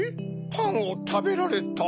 パンをたべられた？